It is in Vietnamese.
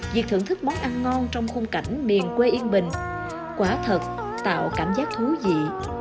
việc thưởng thức món ăn ngon trong khung cảnh miền quê yên bình quả thật tạo cảm giác thú vị